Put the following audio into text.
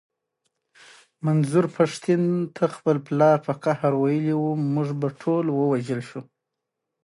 منظور پښتين ته خپل پلار په قهر ويلي و مونږ به ټول ووژل شو.